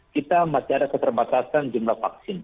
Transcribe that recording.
kita masih ada keterbatasan jumlah vaksin